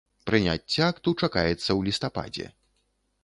Прыняцце акту чакаецца ў лістападзе.